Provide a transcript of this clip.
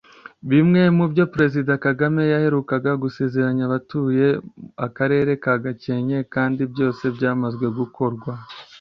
Bimwe mu byo Perezida Kagame yaherukaga gusezeranya abatuye Akarere ka Gakenke kandi byose byamaze gukorwa